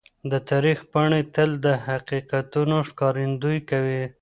د تاریخ پاڼې تل د حقیقتونو ښکارندويي کوي.